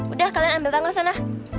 udah kalian ambil tangga sana